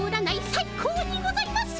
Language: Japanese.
最高にございます！